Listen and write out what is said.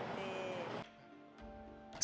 tôi suy nghĩ lại